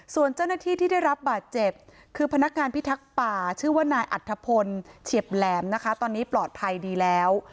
ส่วนเจ้าหน้าที่ที่ได้รับบาดเจ็บคือพนักงานพิทักษ์ป่าชื่อว่านายอัธพลเฉียบแหลมนะคะตอนนี้ปลอดภัยดีแล้ว